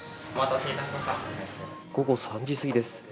午後３時過ぎです。